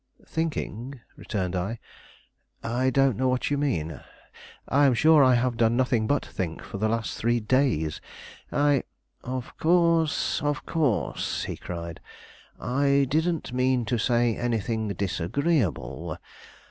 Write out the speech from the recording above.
"Thinking," returned I. "I don't know what you mean. I am sure I have done nothing but think for the last three days. I " "Of course of course," he cried. "I didn't mean to say anything disagreeable.